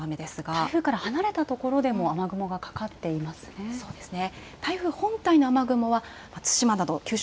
台風から離れた所でも雨雲がかかっていますね。